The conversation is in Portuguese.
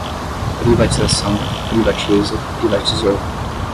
Privatização, privatiza, privatizou